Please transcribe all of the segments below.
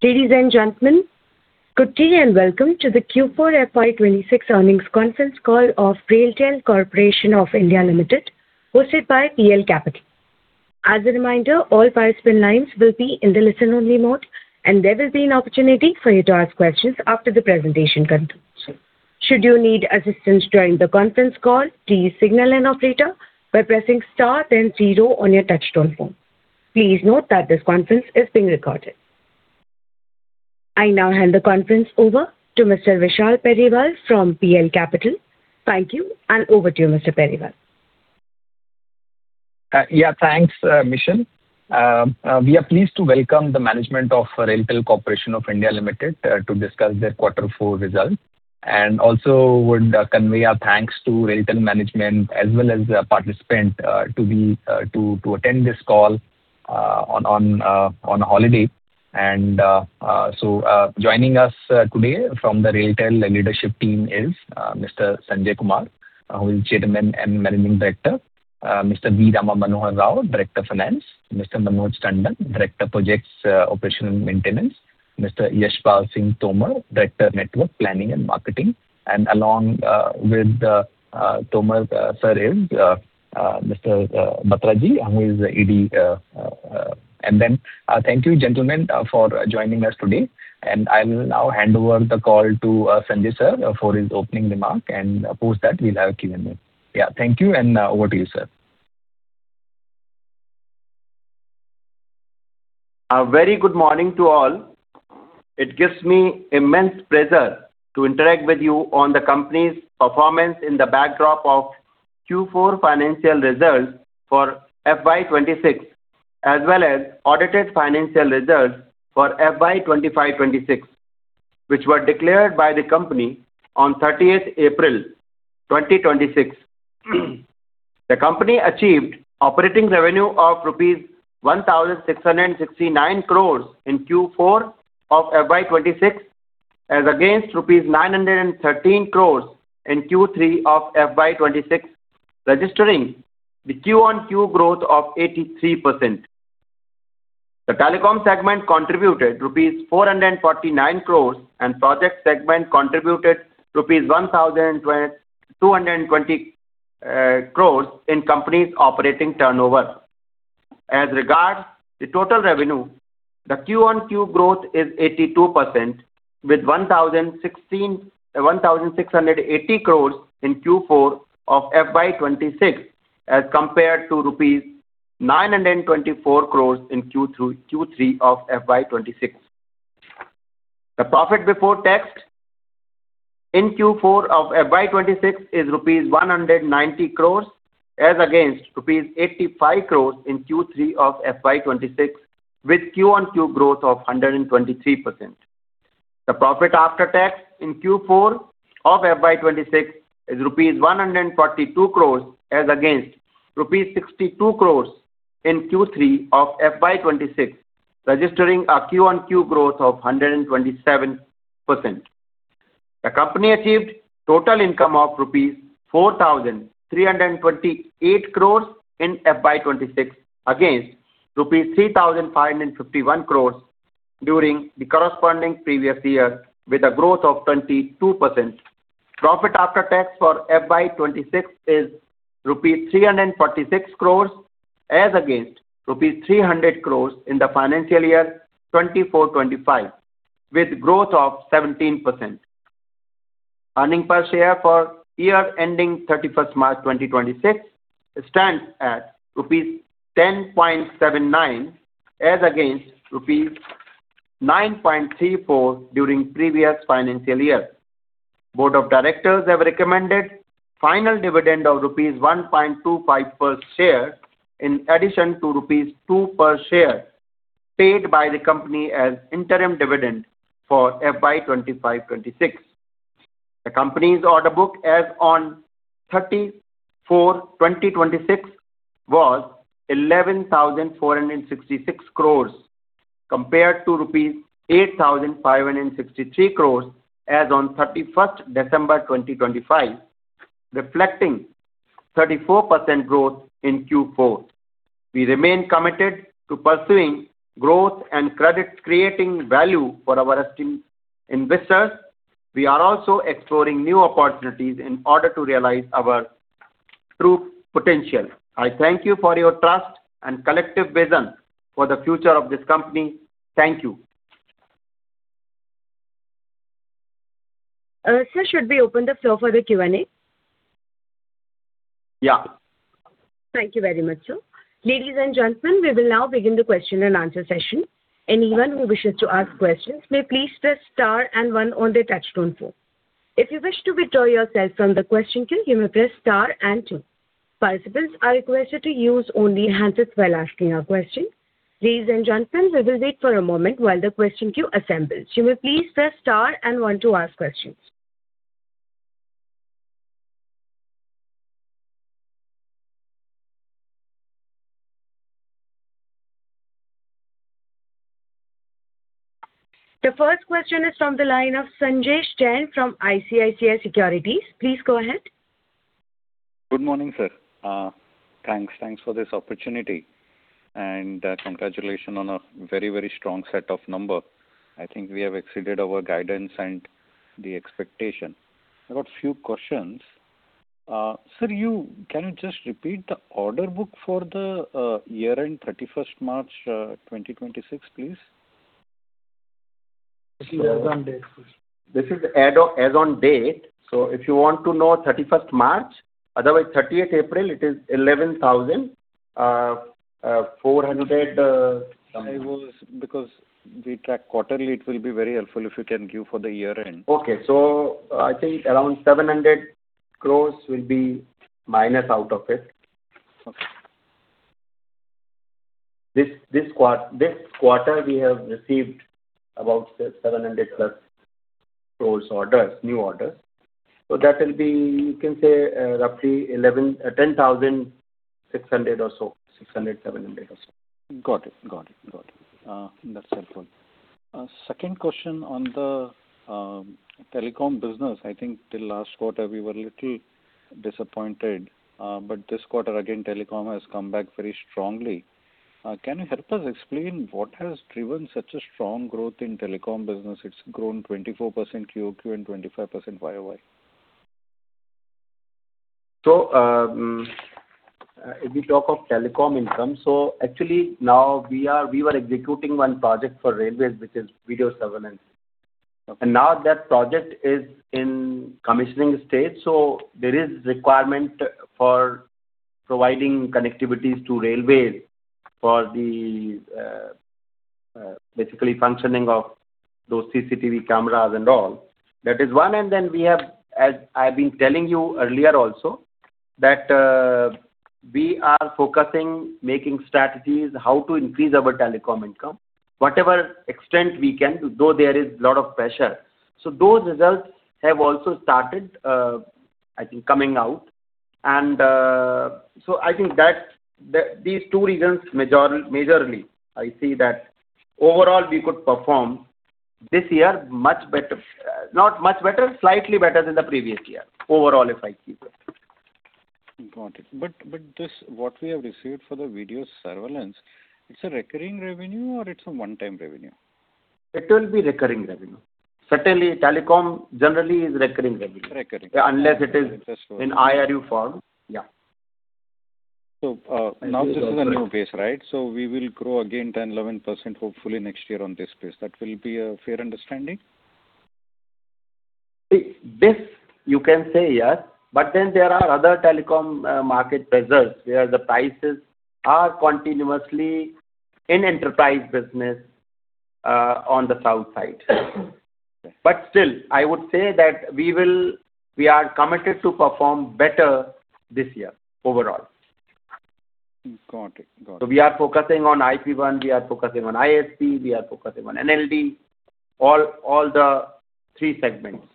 Ladies and gentlemen, good day and welcome to the Q4 FY 2026 earnings conference call of RailTel Corporation of India Limited, hosted by PL Capital. As a reminder, all participant lines will be in the listen-only mode, and there will be an opportunity for you to ask questions after the presentation concludes. Should you need assistance during the conference call, please signal an operator by pressing star then zero on your touchtone phone. Please note that this conference is being recorded. I now hand the conference over to Mr. Vishal Periwal from PL Capital. Thank you, and over to you, Mr. Periwal. Yeah, thanks, Mission. We are pleased to welcome the management of RailTel Corporation of India Limited to discuss their quarter four results, and also would convey our thanks to RailTel management as well as participant to attend this call on holiday. Joining us today from the RailTel leadership team is Mr. Sanjai Kumar, who is Chairman and Managing Director, Mr. V. Rama Manohara Rao, Director Finance, Mr. Manoj Tandon, Director Projects, Operational Maintenance, Mr. Yashpal Singh Tomar, Director Network Planning and Marketing, and along with the Tomar sir is Mr. Batraji, who is ED. Thank you, gentlemen, for joining us today. I'll now hand over the call to, Sanjai, sir, for his opening remark. Post that, we'll have Q&A. Yeah. Thank you, and over to you, sir. A very good morning to all. It gives me immense pleasure to interact with you on the company's performance in the backdrop of Q4 financial results for FY 2026, as well as audited financial results for FY 2025, FY 2026, which were declared by the company on April 30th, 2026. The company achieved operating revenue of rupees 1,669 crores in Q4 of FY 2026, as against rupees 913 crores in Q3 of FY 2026, registering the QoQ growth of 83%. The telecom segment contributed 449 crores rupees, and project segment contributed 1,220 crores rupees in company's operating turnover. As regards the total revenue, the QoQ growth is 82% with 1,016. 1,680 crores in Q4 of FY 2026 as compared to rupees 924 crores in Q through Q3 of FY 2026. The profit before tax in Q4 of FY 2026 is rupees 190 crores as against rupees 85 crores in Q3 of FY 2026 with QoQ growth of 123%. The profit after tax in Q4 of FY 2026 is rupees 142 crores as against rupees 62 crores in Q3 of FY 2026, registering a QoQ growth of 127%. The company achieved total income of 4,328 crores rupees in FY 2026 against 3,551 crores rupees during the corresponding previous year with a growth of 22%. Profit after tax for FY 2026 is rupees 346 crores as against rupees 300 crores in the FY 2024-2025 with growth of 17%. Earnings per share for year ending March 31st, 2026 stands at rupees 10.79 as against rupees 9.34 during previous financial year. Board of Directors have recommended final dividend of rupees 1.25 per share in addition to rupees 2 per share paid by the company as interim dividend for FY 2025-2026. The company's order book as on March 31st, 2026 was 11,466 crores compared to rupees 8,563 crores as on December 31st, 2025, reflecting 34% growth in Q4. We remain committed to pursuing growth and credit, creating value for our esteemed investors. We are also exploring new opportunities in order to realize our true potential. I thank you for your trust and collective vision for the future of this company. Thank you. Sir, should we open the floor for the Q&A? Yeah. Thank you very much, sir. Ladies and gentlemen, we will now begin the question-and-answer session. Any one who wish to ask a question please star and one on your touchtone phone. If you to withdraw yourself from the question please press star and two. Participants are requested to only use handset while asking for a question. Please wait for a moment while the question queue assemble. Please press star and one to ask a question. The first question is from the line of Sanjesh Jain from ICICI Securities. Please go ahead. Good morning, sir. Thanks for this opportunity, and congratulations on a very, very strong set of numbers. I think we have exceeded our guidance and the expectation. I've got few questions. Sir, can you just repeat the order book for the year-end March 31st, 2026, please? This is as on date. This is as on, as on date. If you want to know March 31st, otherwise April 31st, it is 11,400 something. Because we track quarterly, it will be very helpful if you can give for the year-end. Okay. I think around 700 crores will be minus out of it. Okay. This quarter we have received about 700+ crore orders, new orders. That will be, you can say, roughly 10,600 or so. 600, 700 or so. Got it. Got it. Got it. That's helpful. Second question on the telecom business. I think till last quarter we were a little disappointed, this quarter again telecom has come back very strongly. Can you help us explain what has driven such a strong growth in telecom business? It's grown 24% QoQ and 25% YoY. If we talk of telecom income, actually now we were executing one project for railways, which is video surveillance. Okay. Now that project is in commissioning stage, there is requirement for providing connectivities to railways for the basically functioning of those CCTV cameras and all. That is one. Then we have, as I've been telling you earlier also, that we are focusing making strategies how to increase our telecom income, whatever extent we can, though there is lot of pressure. Those results have also started, I think coming out. I think that these two reasons majorly, I see that overall we could perform this year much better. Not much better, slightly better than the previous year. Overall, if I see that. Got it. This, what we have received for the Video Surveillance, it's a recurring revenue or it's a one-time revenue? It will be recurring revenue. Certainly, telecom generally is recurring revenue. Recurring. Unless it is in IRU form. Yeah. Now this is a new base, right? We will grow again 10%, 11% hopefully next year on this base. That will be a fair understanding? See, this you can say, yes. There are other telecom market pressures where the prices are continuously in enterprise business on the south side. Still, I would say that we are committed to perform better this year overall. Got it. Got it. We are focusing on IP-1, we are focusing on ISP, we are focusing on NLD, all the three segments.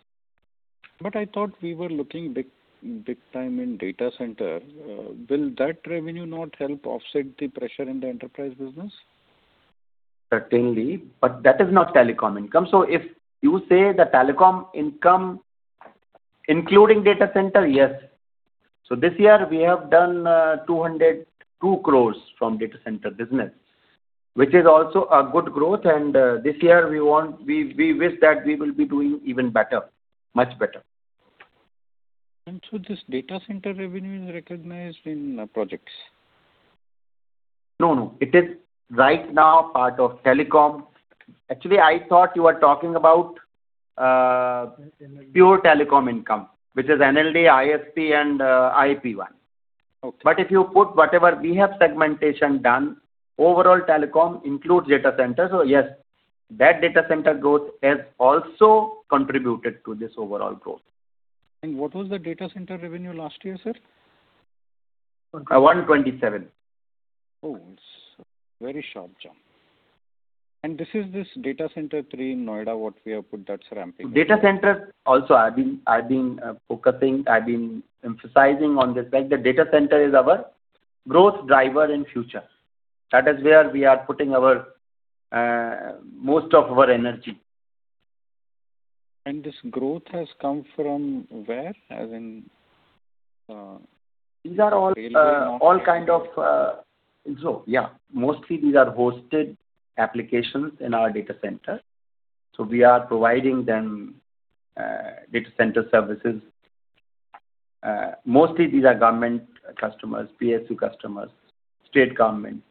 I thought we were looking big, big time in data center. Will that revenue not help offset the pressure in the enterprise business? Certainly, that is not telecom income. If you say the telecom income including data center, yes. This year we have done, 202 crores from data center business, which is also a good growth, and, this year we wish that we will be doing even better, much better. This data center revenue is recognized in projects? No, no. It is right now part of telecom. Actually, I thought you were talking about- In telecom. ...pure telecom income, which is NLD, ISP and, IP-1. Okay. If you put whatever we have segmentation done, overall telecom includes data center. Yes, that data center growth has also contributed to this overall growth. What was the data center revenue last year, sir? 127. Oh, it's very sharp jump. This data center three in Noida what we have put that's ramping up. data center also I've been focusing, I've been emphasizing on this, like the data center is our growth driver in future. That is where we are putting our most of our energy. This growth has come from where? These are all- Railway... all kind of, yeah, mostly these are hosted applications in our data center. We are providing them data center services. Mostly these are government customers, PSU customers, state government.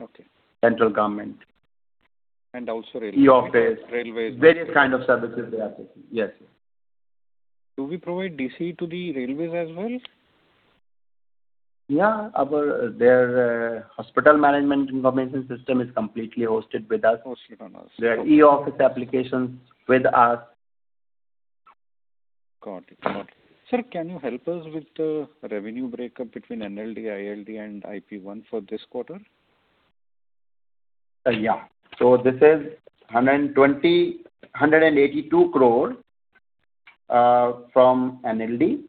Okay. Central government. Also railway. E-office. Railways. Various kind of services they are taking. Yes. Do we provide DC to the railways as well? Yeah. Our, their Hospital Management Information System is completely hosted with us. Hosted on us. Their e-Office applications with us. Got it. Got it. Sir, can you help us with the revenue breakup between NLD, ILD and IP-1 for this quarter? Yeah. This is 182 crore from NLD, 120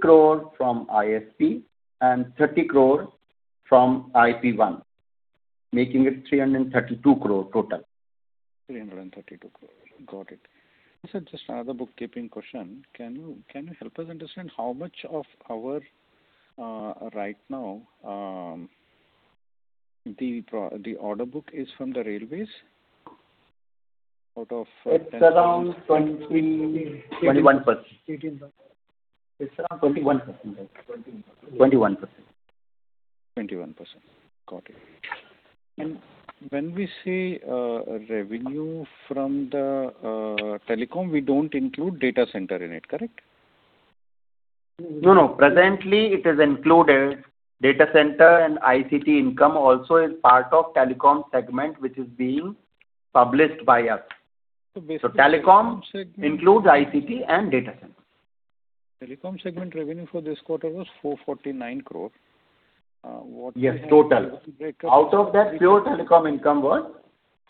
crore from ISP, and 30 crore from IP-1, making it 332 crore total. 332 crore. Got it. Sir, just another bookkeeping question. Can you help us understand how much of our right now the order book is from the railways out of INR 10,000 crore? It's around 20%- 21%. It's around 21%. 21%. 21%. Got it. When we say, revenue from the, telecom, we don't include data center in it, correct? No, no. Presently, it is included. Data center and ICT income also is part of telecom segment, which is being published by us. Telecom includes ICT and data center. Telecom segment revenue for this quarter was 449 crore. Yes, total. Out of that, pure telecom income was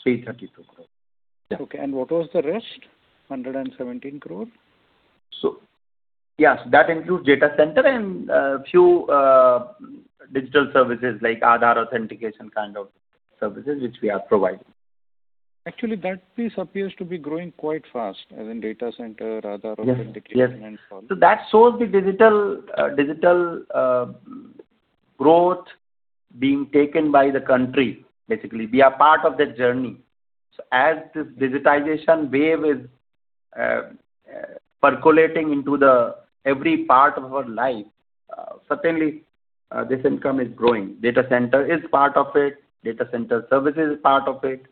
332 crore. Okay. What was the rest? 117 crore? Yes, that includes data center and few digital services like Aadhaar authentication kind of services which we are providing. Actually, that piece appears to be growing quite fast, as in data center, Aadhaar authentication and so on. Yes. That shows the digital growth being taken by the country, basically. We are part of that journey. As this digitization wave is percolating into the every part of our life, certainly, this income is growing. Data center is part of it, data center services is part of it,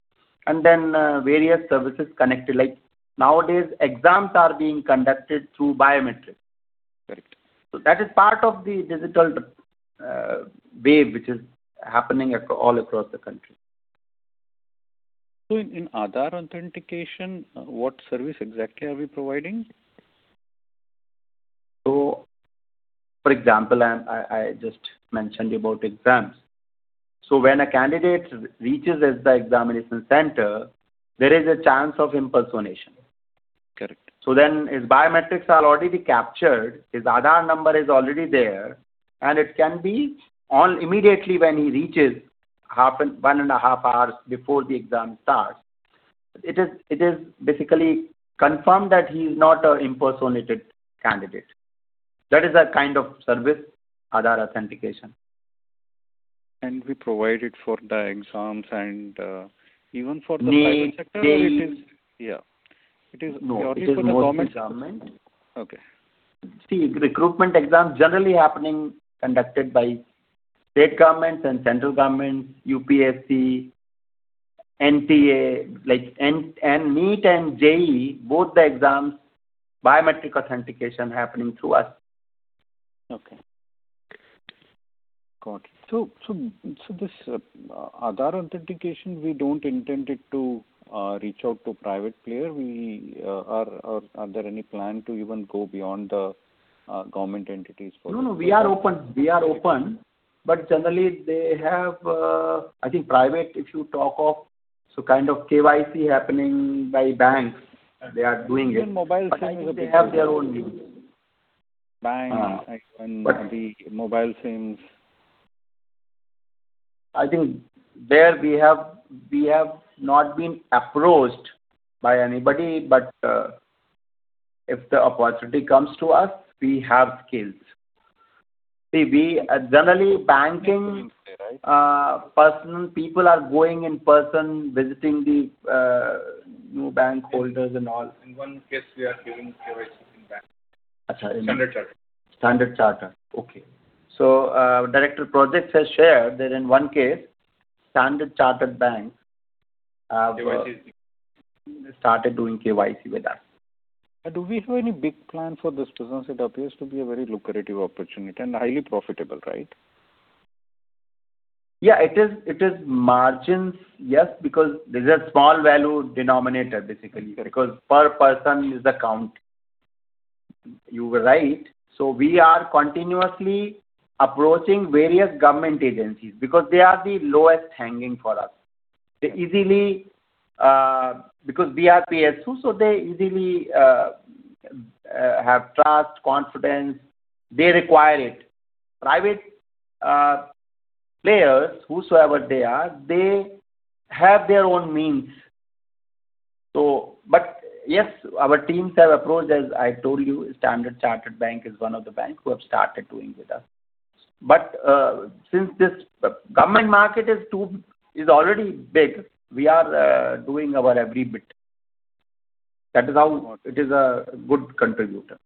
and then various services connected. Like nowadays, exams are being conducted through biometric. Correct. That is part of the digital wave which is happening all across the country. In Aadhaar authentication, what service exactly are we providing? For example, I just mentioned about exams. When a candidate reaches at the examination center, there is a chance of impersonation. Correct. His biometrics are already captured, his Aadhaar number is already there, and it can be on immediately when he reaches one and a half hours before the exam starts. It is basically confirmed that he's not a impersonated candidate. That is a kind of service, Aadhaar authentication. We provide it for the exams and, even for the private sector- They. ...yeah. It is only for the government? No, it is mostly government. Okay. See, recruitment exams generally happening conducted by state governments and central governments, UPSC, NTA, like NEET and JEE, both the exams, biometric authentication happening through us. Okay. Got it. This, Aadhaar authentication, we don't intend it to reach out to private player. Are there any plan to even go beyond the government entities for this purpose? No, no, we are open. We are open. Generally they have, I think private if you talk of, so kind of KYC happening by banks, they are doing it. Even mobile SIM is a big one. I think they have their own means. Banks and the mobile SIMs. I think there we have not been approached by anybody, but if the opportunity comes to us, we have skills. They are doing it, right? People are going in person visiting the new bank holders and all. In 1 case we are giving KYC in bank. [inaudible] Standard Chartered. Standard Chartered. Okay. Director of Project has shared that in one case, Standard Chartered Bank. KYC. Started doing KYC with us. Do we have any big plan for this business? It appears to be a very lucrative opportunity and highly profitable, right? Yeah, it is margins, yes, because this is small value denominator basically. Correct. Because per person is a count. You are right. We are continuously approaching various government agencies because they are the lowest hanging for us. They easily, because we are PSU, they easily have trust, confidence. They require it. Private players, whosoever they are, they have their own means. Yes, our teams have approached, as I told you, Standard Chartered Bank is one of the bank who have started doing with us. Since this government market is already big, we are doing our every bit. That is how it is a good contributor.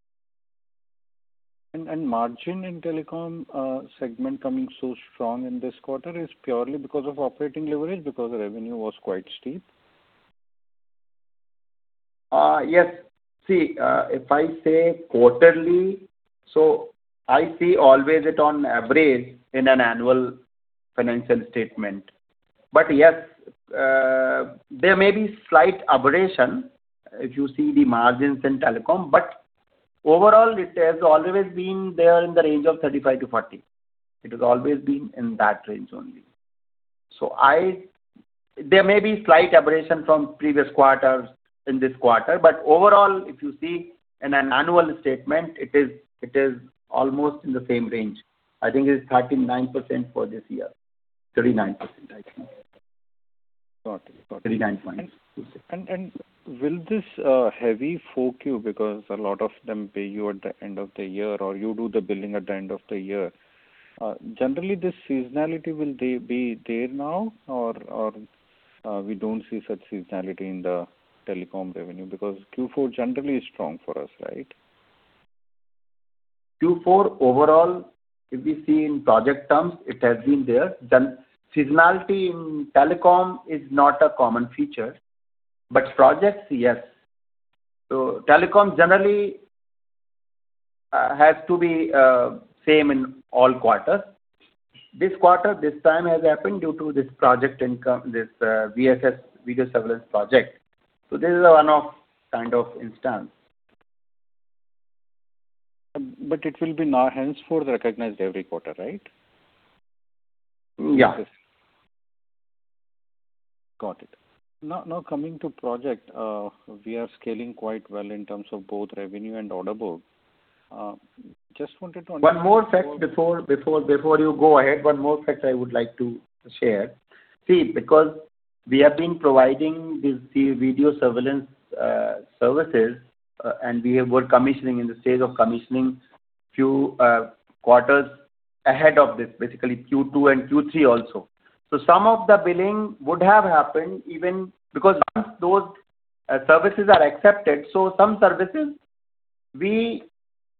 Margin in telecom segment coming so strong in this quarter is purely because of operating leverage because the revenue was quite steep. Yes. See, if I say quarterly, so I see always it on average in an annual financial statement. Yes, there may be slight aberration if you see the margins in telecom. Overall, it has always been there in the range of 35%-40%. It has always been in that range only. There may be slight aberration from previous quarters in this quarter. Overall, if you see in an annual statement, it is almost in the same range. I think it's 39% for this year. 39%, I think. Got it. Got it. 39 point. Will this heavy Q4, because a lot of them pay you at the end of the year or you do the billing at the end of the year. Generally, this seasonality will they be there now or, we don't see such seasonality in the telecom revenue? Q4 generally is strong for us, right? Q4 overall, if we see in project terms, it has been there. Seasonality in telecom is not a common feature, but projects, yes. Telecom generally has to be same in all quarters. This quarter, this time has happened due to this project income, this VSS, video surveillance project. This is a one-off kind of instance. It will be now henceforth recognized every quarter, right? Yeah. Got it. Coming to project, we are scaling quite well in terms of both revenue and order book. One more fact before you go ahead, one more fact I would like to share. Because we have been providing these video surveillance services, and we were in the stage of commissioning few quarters ahead of this, basically Q2 and Q3 also. Some of the billing would have happened even because once those services are accepted, some services we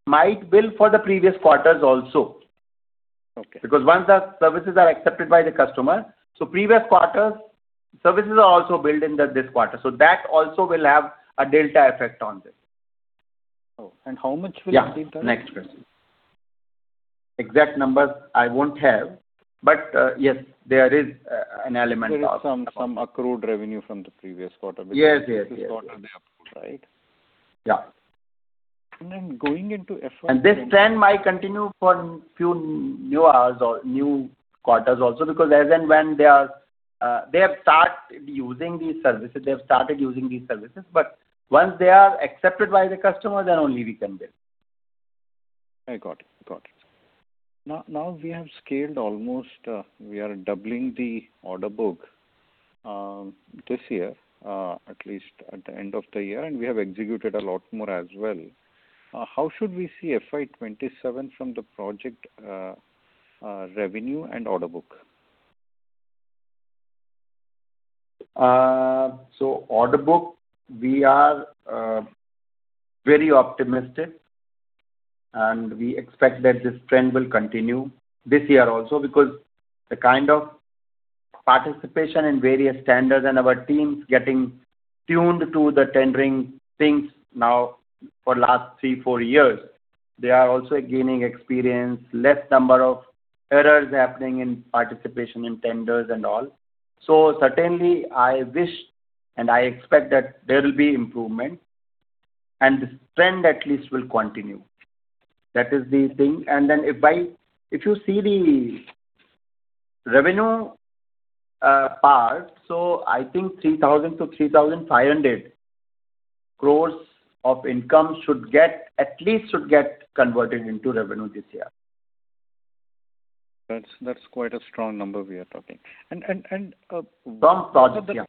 might bill for the previous quarters also. Okay. Once the services are accepted by the customer, previous quarters services are also billed in this quarter. That also will have a delta effect on this. Oh. How much will it be? Yeah. Next question. Exact numbers I won't have, but yes, there is. There is some accrued revenue from the previous quarter. Yes. This quarter, right? Yeah. Going into- This trend might continue for few new hours or new quarters also because as and when they are, they have started using these services, but once they are accepted by the customer, then only we can bill. I got it. Got it. Now we have scaled almost, we are doubling the order book this year, at least at the end of the year, and we have executed a lot more as well. How should we see FY 2027 from the project revenue and order book? Order book, we are very optimistic, and we expect that this trend will continue this year also because the kind of participation in various tenders and our teams getting tuned to the tendering things now for last three, four years. They are also gaining experience, less number of errors happening in participation in tenders and all. Certainly, I wish and I expect that there will be improvement and this trend at least will continue. That is the thing. If you see the revenue part, I think 3,000 crores-3,500 crores of income should get, at least should get converted into revenue this year. That's quite a strong number we are talking. From project. Yeah. Mm-hmm. Yeah.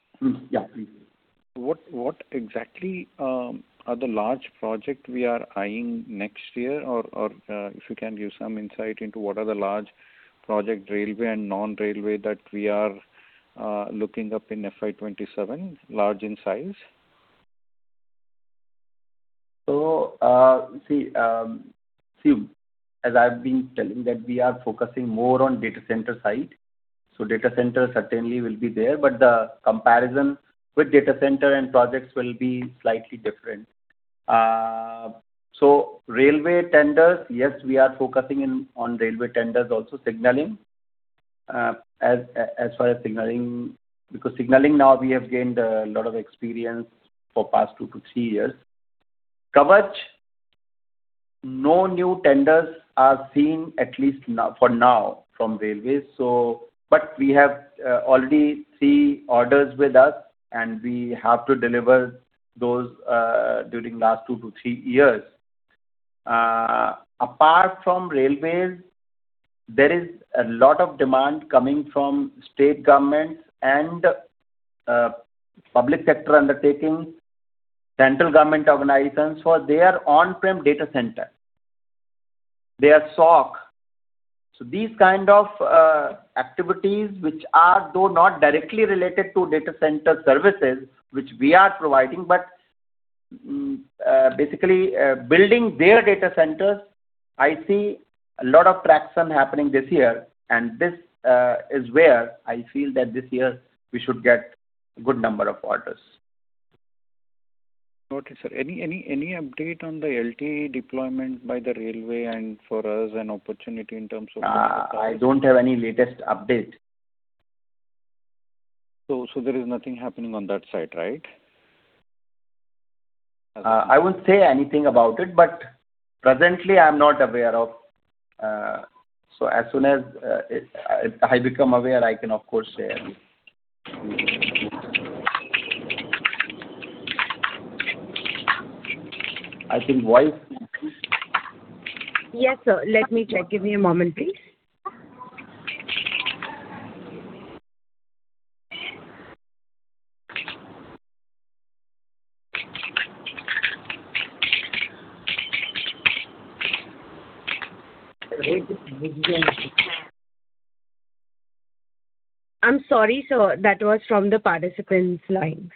What exactly are the large project we are eyeing next year? Or, if you can give some insight into what are the large project railway and non-railway that we are looking up in FY 2027, large in size. As I've been telling that we are focusing more on data center side. Data center certainly will be there, but the comparison with data center and projects will be slightly different. Railway tenders, yes, we are focusing on railway tenders also, signaling. As far as signaling, because signaling now we have gained a lot of experience for past two to three years. Kavach, no new tenders are seen at least now, for now from railways. We have already three orders with us and we have to deliver those during last two to three years. Apart from railways, there is a lot of demand coming from state governments and public sector undertakings, central government organizations for their on-prem data center, their SOC. These kind of activities which are though not directly related to data center services which we are providing, but, basically, building their data centers, I see a lot of traction happening this year. This is where I feel that this year we should get good number of orders. Okay, sir. Any update on the LTE deployment by the railway and for us an opportunity in terms of. I don't have any latest update. There is nothing happening on that side, right? I won't say anything about it, presently I'm not aware of. As soon as I become aware, I can of course share. [inaudible] Yes, sir. Let me check. Give me a moment, please. I'm sorry, sir. That was from the participant's line.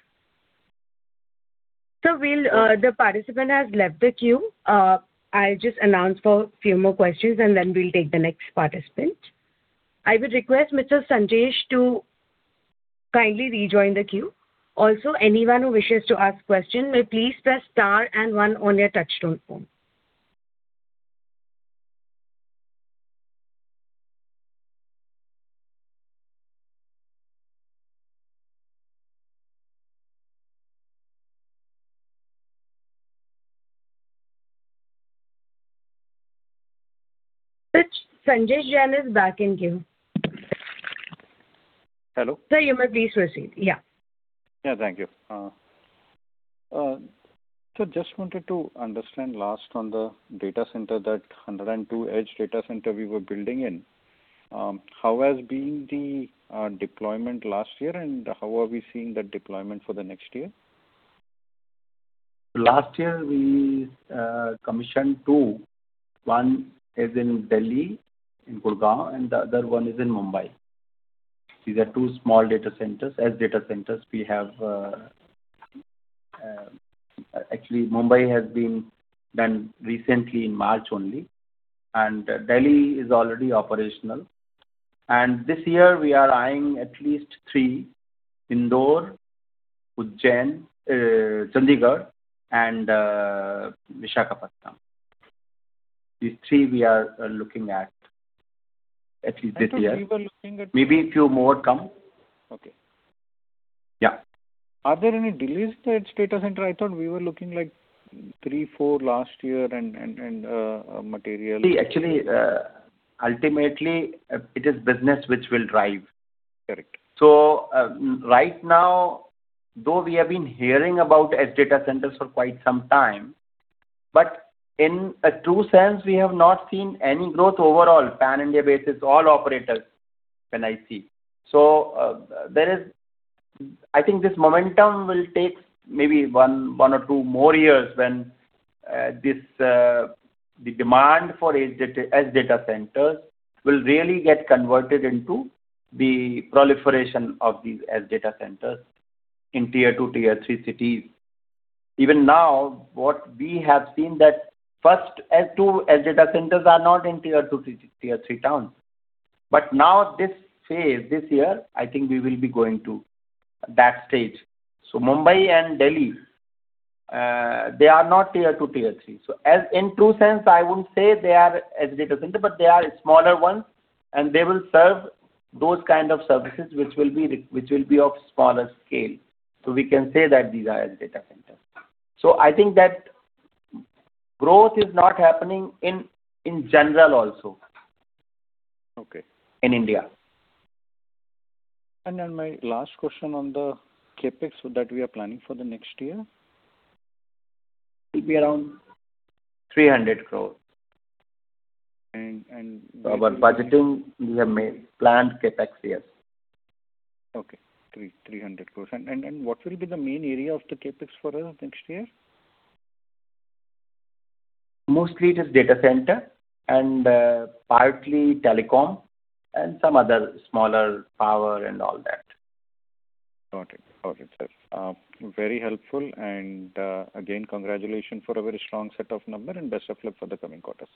Sir, we'll, the participant has left the queue. I'll just announce for few more questions, and then we'll take the next participant. I will request Mr. Sanjesh to kindly rejoin the queue. Also, anyone who wishes to ask question may please press star and one on your touchtone phone. Sanjesh is back in queue. Hello. Sir, you may please proceed. Yeah. Thank you. Just wanted to understand last on the data center, that 102 edge data center we were building in, how has been the deployment last year, and how are we seeing the deployment for the next year? Last year we commissioned two. One is in Delhi, in Gurgaon, and the other one is in Mumbai. These are two small data centers. As data centers, we have actually, Mumbai has been done recently in March only, and Delhi is already operational. This year we are eyeing at least three, Indore, Ujjain, Chandigarh and Visakhapatnam. These three we are looking at at least this year. I thought we were looking at. Maybe few more come. Okay. Yeah. Are there any delays in the edge data center? I thought we were looking like three, four last year and material. Actually, ultimately, it is business which will drive. Correct. Right now, though we have been hearing about edge data centers for quite some time, but in a true sense, we have not seen any growth overall, pan-India basis, all operators when I see. I think this momentum will take maybe one or two more years when the demand for edge data centers will really get converted into the proliferation of these edge data centers in Tier Two, Tier Three cities. Even now, what we have seen that first edge, two edge data centers are not in Tier Two, Tier Thre towns. Now this phase, this year, I think we will be going to that stage. Mumbai and Delhi, they are not Tier Two, Tier Three. As in true sense, I wouldn't say they are edge data center, but they are a smaller one, and they will serve those kind of services which will be of smaller scale. We can say that these are edge data centers. I think that growth is not happening in general also. Okay. In India. My last question on the CapEx that we are planning for the next year. It'll be around 300 crores. And, and- Our budgeting, we have made planned CapEx, yes. Okay. 300 crores. What will be the main area of the CapEx for the next year? Mostly it is data center and, partly telecom and some other smaller power and all that. Got it. Got it, sir. Very helpful and, again, congratulations for a very strong set of number and best of luck for the coming quarters.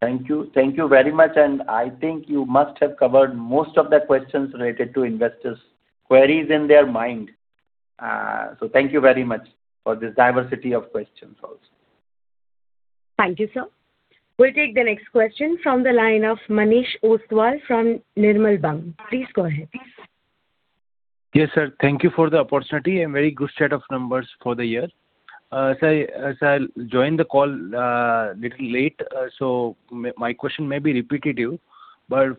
Thank you. Thank you very much. I think you must have covered most of the questions related to investors' queries in their mind. Thank you very much for this diversity of questions also. Thank you, sir. We'll take the next question from the line of Manish Ostwal from Nirmal Bang. Please go ahead. Yes, sir. Thank you for the opportunity and very good set of numbers for the year. Sir, as I joined the call, little late, so my question may be repetitive.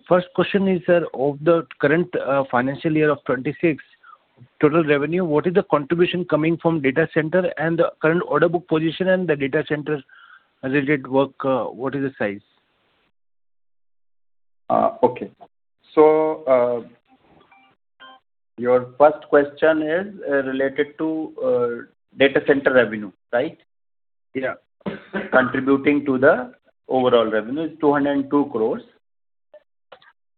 First question is, sir, of the current financial year of 2026 total revenue, what is the contribution coming from data center and the current order book position and the data center related work, what is the size? Okay. Your first question is related to data center revenue, right? Yeah. Contributing to the overall revenue is 202 crores.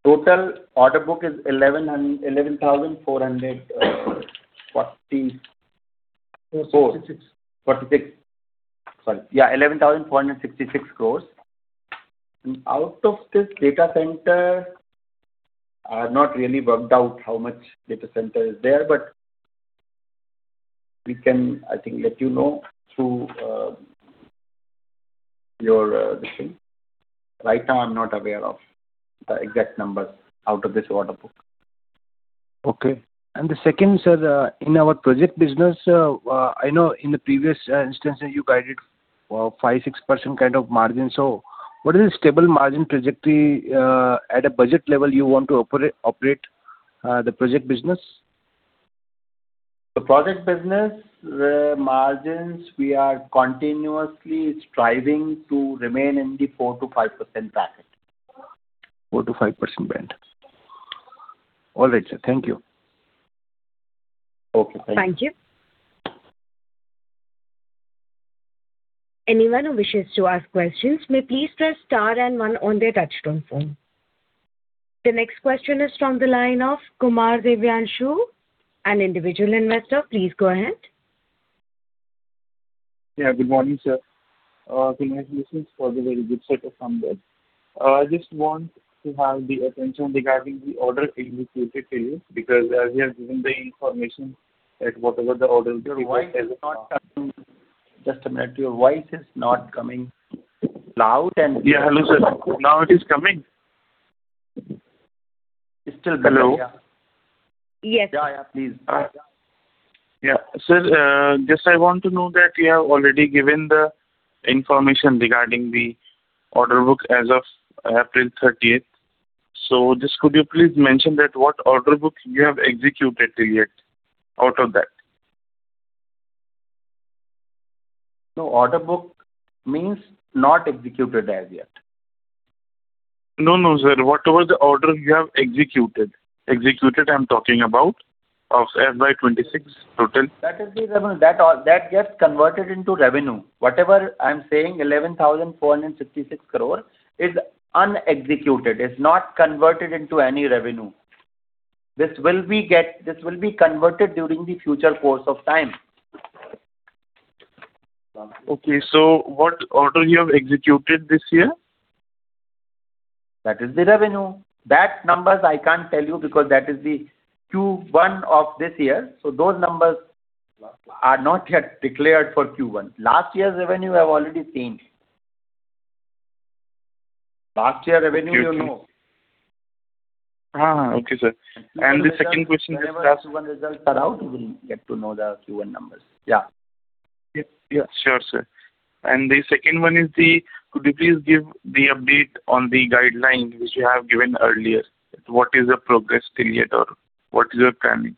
Total order book is 11,400. 466. 46. Sorry. 11,466 crores. Out of this data center, I have not really worked out how much data center is there, but we can, I think, let you know through your this thing. Right now, I'm not aware of the exact numbers out of this order book. Okay. The second, sir, in our project business, I know in the previous instances you guided 5%-6% kind of margin. What is the stable margin trajectory at a budget level you want to operate the project business? The project business, the margins, we are continuously striving to remain in the 4%-5% bracket. 4%-5% band. All right, sir. Thank you. Okay. Thank you. Thank you. Anyone who wishes to ask questions may please press star and one on their touchtone phone. The next question is from the line of Kumar Divyanshu, an Individual Investor. Please go ahead. Yeah, good morning, sir. Congratulations for the very good set of numbers. I just want to have the attention regarding the order executed to you, because as you have given the information that whatever the orders. Your voice is not coming. Just a minute. Your voice is not coming loud and clear. Yeah, hello, sir. Now it is coming? It's still. Hello? Yes. Yeah, yeah, please. Yeah. Sir, just I want to know that you have already given the information regarding the order book as of April 30th. Just could you please mention that what order book you have executed till yet out of that? No, order book means not executed as yet. No, no, sir. Whatever the order you have executed. Executed, I'm talking about of as by FY 2026 total. That is the revenue. That all, that gets converted into revenue. Whatever I'm saying, 11,466 crore is unexecuted. It's not converted into any revenue. This will be converted during the future course of time. Okay, what order you have executed this year? That is the revenue. That numbers I can't tell you because that is the Q1 of this year, so those numbers are not yet declared for Q1. Last year's revenue you have already seen. Last year revenue you know. Okay. Okay, sir. The second question. Whenever Q1 results are out, you will get to know the Q1 numbers. Yeah. Yeah. Sure, sir. The second one is, could you please give the update on the guidelines which you have given earlier? What is the progress till yet or what is your planning?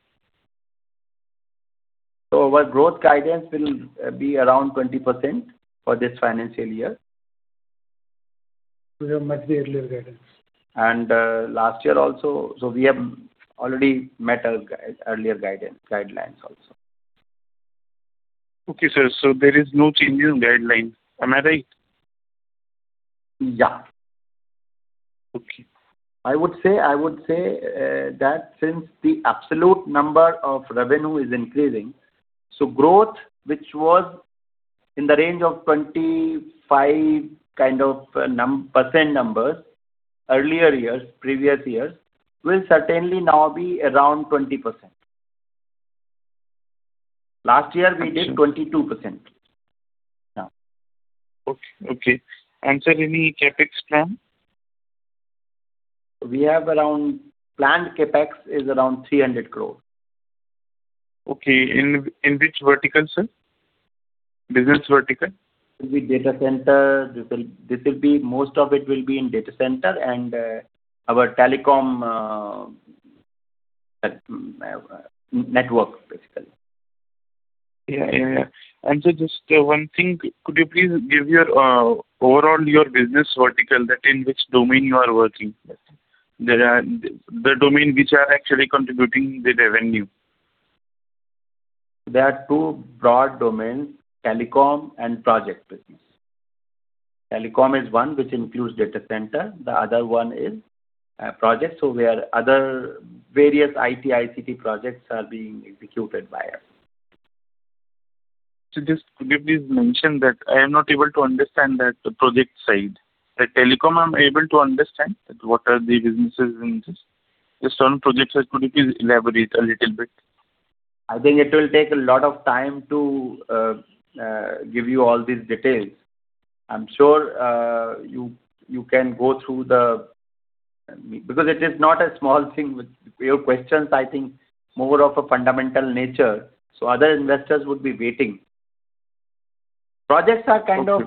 Our growth guidance will be around 20% for this financial year. We have met the earlier guidance. Last year also. We have already met our earlier guidance, guidelines also. Okay, sir. There is no change in guidelines. Am I right? Yeah. Okay. I would say that since the absolute number of revenue is increasing, growth, which was in the range of 25% in previous years, will certainly now be around 20%. Last year we did 22%. Yeah. Okay, okay. Sir, any CapEx plan? We have around Planned CapEx is around 300 crore. Okay. In which vertical, sir? Business vertical. It will be data center. This will be, most of it will be in data center and our telecom network basically. Yeah. Yeah, yeah. Just one thing, could you please give your overall your business vertical that in which domain you are working, the domain which are actually contributing the revenue? There are two broad domains, telecom and project business. Telecom is one which includes data center, the other one is project, where other various IT/ICT projects are being executed by us. Just could you please mention that I am not able to understand that project side. The telecom I'm able to understand what are the businesses and this. Just on projects side, could you please elaborate a little bit? I think it will take a lot of time to give you all these details. I'm sure you can go through. It is not a small thing with your questions, I think more of a fundamental nature, so other investors would be waiting. Okay. But that's a kind of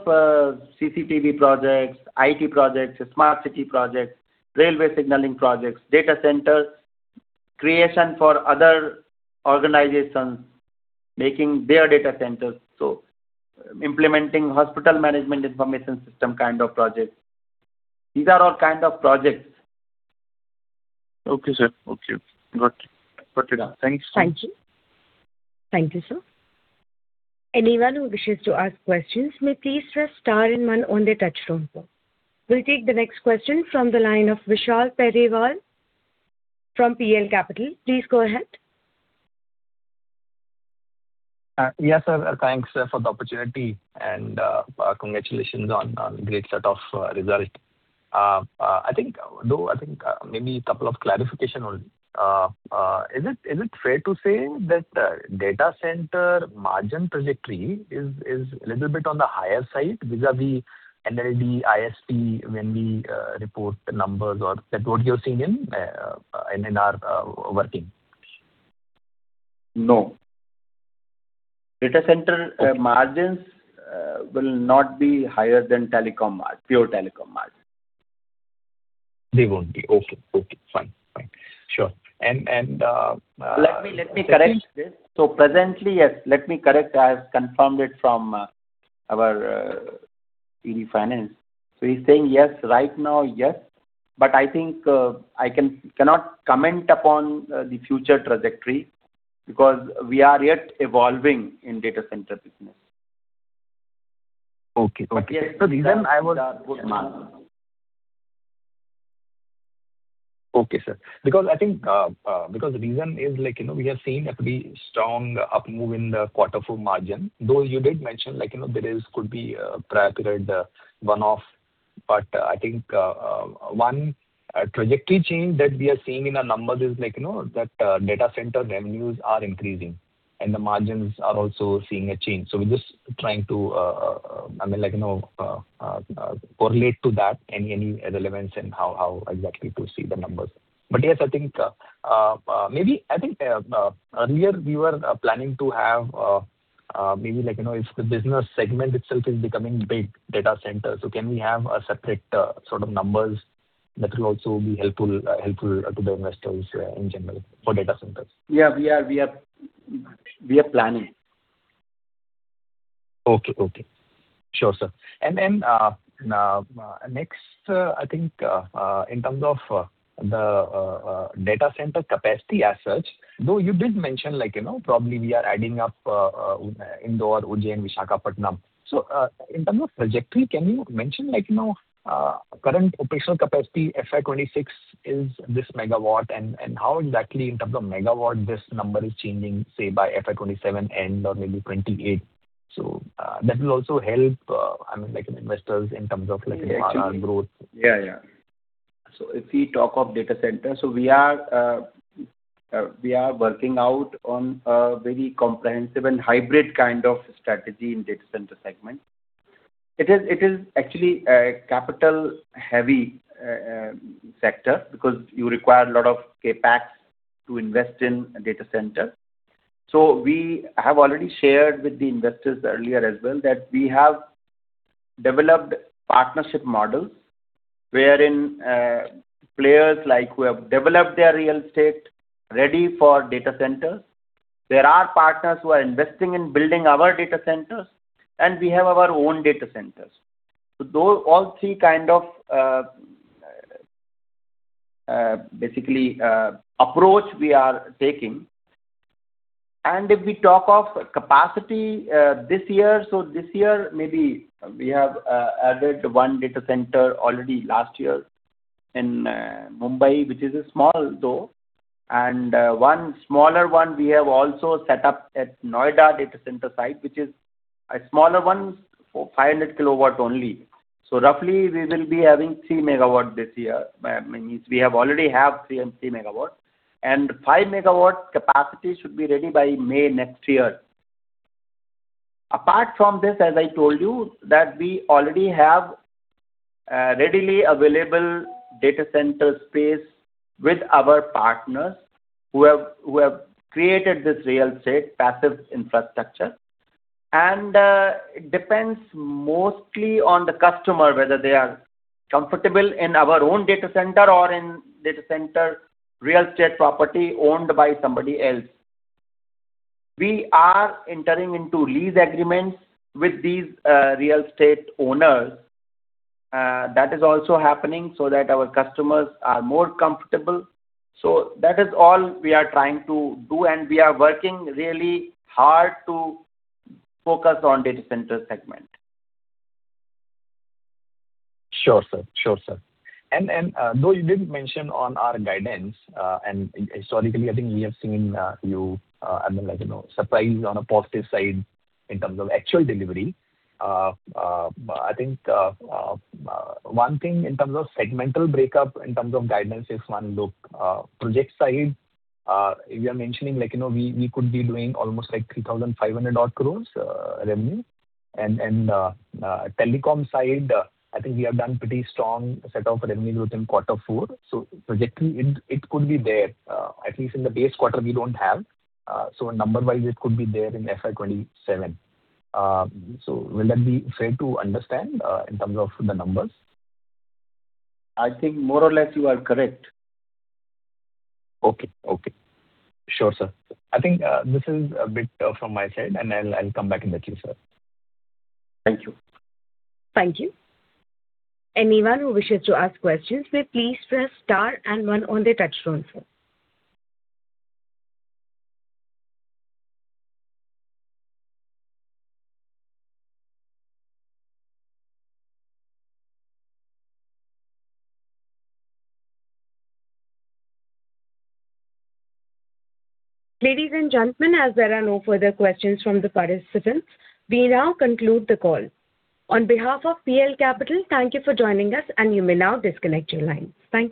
CCTV projects, IT projects, smart city projects, railway signaling projects, data centers, creation for other organizations, making their data centers. Implementing Hospital Management Information System kind of projects. These are all kind of projects. Okay, sir. Okay. Got it. Got it. Thanks. Thank you. Thank you, sir. Anyone who wishes to ask a question may please press star and one on your touchtone phone. We'll take the next question from the line of Vishal Periwal from PL Capital. Please go ahead. Yes, sir. Thanks, sir, for the opportunity and congratulations on great set of result. I think, though I think, maybe a couple of clarification only. Is it fair to say that data center margin trajectory is a little bit on the higher side vis-a-vis NLD, ISP when we report the numbers or is that what you're seeing in NNR working? No. Data center margins will not be higher than pure telecom margin. They won't be. Okay. Okay. Fine. Fine. Sure, and- Let me correct this. Presently, yes. Let me correct. I have confirmed it from our Director Finance. He's saying yes. Right now, yes. I think I cannot comment upon the future trajectory because we are yet evolving in data center business. Okay, sir. Because I think, because the reason is like, you know, we have seen a pretty strong up move in the quarter four margin. Though you did mention like, you know, there is could be prior period one-off. I think one trajectory change that we are seeing in our numbers is like, you know, that data center revenues are increasing and the margins are also seeing a change. We're just trying to, I mean, like, you know, correlate to that any relevance and how exactly to see the numbers. Yes, I think, maybe I think, earlier we were planning to have, maybe like, you know, if the business segment itself is becoming big data center. Can we have a separate, sort of numbers that will also be helpful to the investors, in general for data centers? Yeah, we are planning. Okay. Okay. Sure, sir. Next, I think, in terms of the data center capacity as such, though you did mention like, you know, probably we are adding up Indore, Ujjain, Visakhapatnam. In terms of trajectory, can you mention like, you know, current operational capacity FY 2026 is this megawatt and how exactly in terms of megawatt this number is changing, say by FY 2027 end or maybe 2028? That will also help, I mean, like investors in terms of like MRR growth. Yeah. Yeah. If we talk of data center, we are working out on a very comprehensive and hybrid kind of strategy in data center segment. It is actually a capital-heavy sector because you require a lot of CapEx to invest in a data center. We have already shared with the investors earlier as well that we have developed partnership models wherein players like who have developed their real estate ready for data centers. There are partners who are investing in building our data centers, and we have our own data centers. Those all three kind of basically approach we are taking. If we talk of capacity this year, this year, maybe we have added one data center already last year in Mumbai, which is a small though. One smaller one we have also set up at Noida data center site, which is a smaller one, 500 kW only. Roughly we will be having 3 MW this year. We have already have 3 MW. 5 MW capacity should be ready by May next year. Apart from this, as I told you, that we already have readily available data center space with our partners who have created this real estate passive infrastructure. It depends mostly on the customer, whether they are comfortable in our own data center or in data center real estate property owned by somebody else. We are entering into lease agreements with these real estate owners. That is also happening so that our customers are more comfortable. That is all we are trying to do, and we are working really hard to focus on data center segment. Sure, sir. Sure, sir. Though you didn't mention on our guidance, and historically, I think we have seen, you, I mean, like, you know, surprise on a positive side in terms of actual delivery. I think, one thing in terms of segmental breakup in terms of guidance is one look. Project side, you are mentioning like, you know, we could be doing almost like 3,500 odd crores, revenue. Telecom side, I think we have done pretty strong set of revenues within quarter four. Trajectory it could be there. At least in the base quarter we don't have. Number-wise, it could be there in FY 2027. Will that be fair to understand, in terms of the numbers? I think more or less you are correct. Okay. Okay. Sure, sir. I think, this is a bit, from my side, and I'll come back in the queue, sir. Thank you. Thank you. Anyone who wishes to ask a question please press star and one on the touchtone phone. Ladies and gentlemen, as there are no further questions from the participants, we now conclude the call. On behalf of PL Capital, thank you for joining us, and you may now disconnect your lines. Thank you.